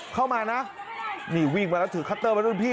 เข้ามานะนี่วิ่งมาแล้วถือคัตเตอร์มารุ่นพี่